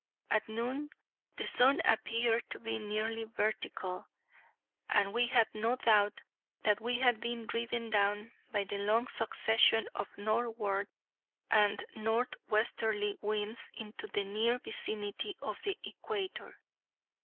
At noon the sun appeared to be nearly vertical, and we had no doubt that we had been driven down by the long succession of northward and northwesterly winds into the near vicinity of the equator.